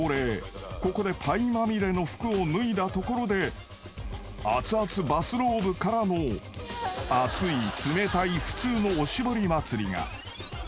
［ここでパイまみれの服を脱いだところで熱々バスローブからの熱い冷たい普通のおしぼり祭りが］